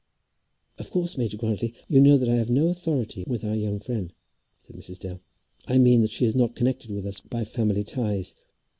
"Of course, Major Grantly, you know that I have no authority with our young friend," said Mrs. Dale. "I mean that she is not connected with us by family ties.